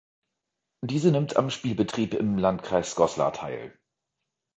Diese nimmt am Spielbetrieb im Landkreis Goslar teil.